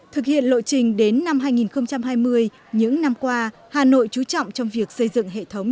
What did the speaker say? thực hiện lộ trình đến năm hai nghìn hai mươi những năm qua hà nội chú trọng trong việc xây dựng hệ thống